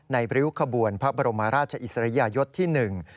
ในริ้วขบวนพระบรมราชอิสริยะยศที่๑